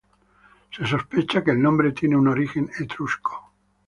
Se sospecha que el nombre tiene un origen etrusco.